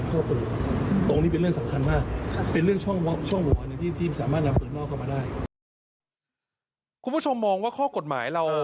ตรงแบบนี้เลยนะ